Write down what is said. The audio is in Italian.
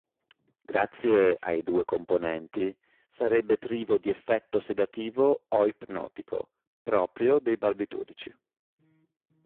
Grazie ai due componenti, sarebbe privo di effetto sedativo o ipnotico, proprio dei barbiturici.